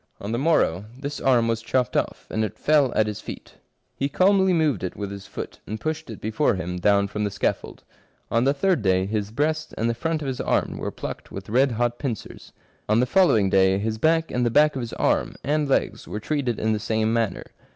On the morrow this arm was chopped off, and it fell at his feet. He calmly moved it with his foot, and pushed it before him down from the scaffold. On the third day his breast and the front of his arm were plucked with red hot pincers ; on the following day his back and the back of his arm, and legs, were treated in the same manner.